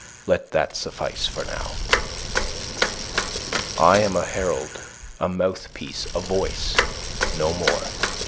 Let that suffice you now. I am a herald, a mouthpiece, a voice; no more.